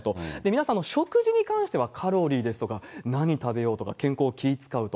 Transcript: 皆さん、食事に関しては、カロリーですとか、何食べようとか、健康に気を遣うと。